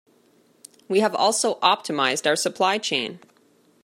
We have also optimised our supply chain.